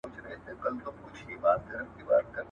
مرمۍ اغېزه نه کوي ..